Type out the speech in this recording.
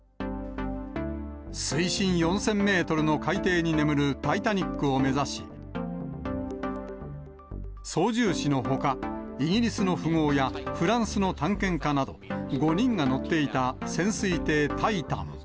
水深４０００メートルの海底に眠るタイタニックを目指し、操縦士のほか、イギリスの富豪やフランスの探検家など、５人が乗っていた潜水艇、タイタン。